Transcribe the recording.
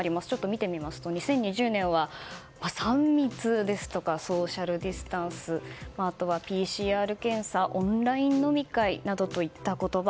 見ていきますと２０２０年は３密ですとかソーシャルディスタンスあとはＰＣＲ検査オンライン飲み会などといった言葉。